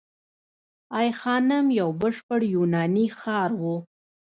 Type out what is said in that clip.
ای خانم یو بشپړ یوناني ښار و